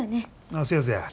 ああせやせや。